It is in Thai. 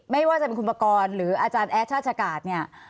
ไม่ว่าจะเป็นคุณปกรณ์หรืออาจารย์แอดชาติกาศเนี่ย